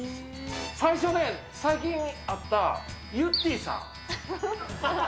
最初ね、最近会ったゆってぃさん。